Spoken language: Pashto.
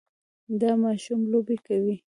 دا ماشوم لوبې کوي.